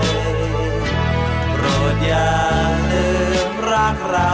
ขอบคุณครับ